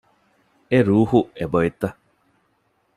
އެ ރޫޙު އެބަ އޮތްތަ؟